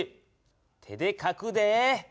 手でかくで！